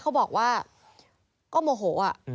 เขาบอกว่าก็โมโห